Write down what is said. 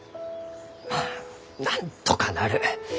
まあなんとかなる。